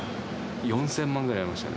４０００万ぐらいありましたね。